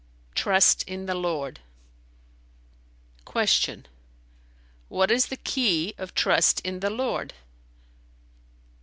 "Trust in the Lord." Q "What is the key of trust in the Lord?"